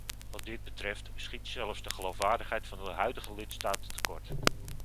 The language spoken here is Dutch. Wat dit betreft schiet zelfs de geloofwaardigheid van de huidige lidstaten tekort.